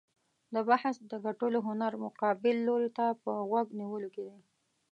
د بحث د ګټلو هنر مقابل لوري ته په غوږ نیولو کې دی.